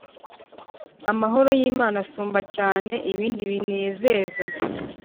Amahoro y’ Imana asumba cyane ibindi binezeza